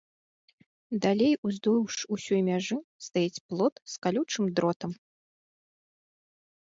Далей уздоўж усёй мяжы стаіць плот з калючым дротам.